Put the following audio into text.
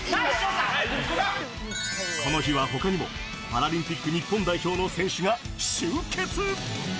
この日はほかにも、パラリンピック日本代表の選手が集結。